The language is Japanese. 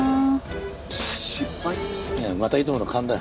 いやまたいつもの勘だよ。